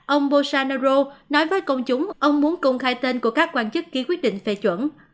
ông bosanerro nói với công chúng ông muốn công khai tên của các quan chức ký quyết định phê chuẩn